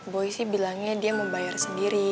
boy sih bilangnya dia mau bayar sendiri